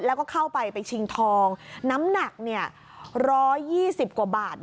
แล้วก็เข้าไปไปชิงทองน้ำหนัก๑๒๐กว่าบาท